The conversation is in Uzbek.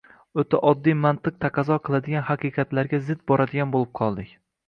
o‘ta oddiy mantiq taqozo qiladigan haqiqatlarga zid boradigan bo‘lib qoldik.